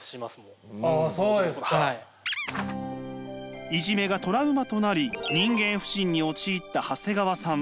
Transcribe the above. あそうですか。いじめがトラウマとなり人間不信に陥った長谷川さん。